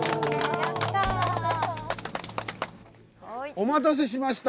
お待たせしました。